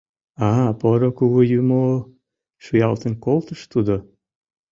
— А поро кугу юмо-о, — шуялтен колтыш тудо.